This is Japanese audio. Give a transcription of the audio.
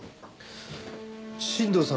新堂さん